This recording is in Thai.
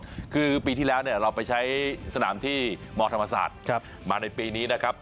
คือปีที่แล้วเนี่ยเราไปใช้สนามที่มธรรมศาสตร์มาในปีนี้นะครับ